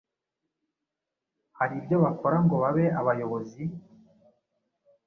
hari ibyo bakora ngo babe abayobozi?